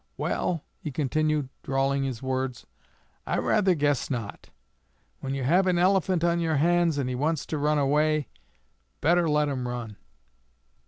'Well,' he continued, drawling his words, 'I rather guess not. When you have an elephant on your hands, and he wants to run away, better let him run.'"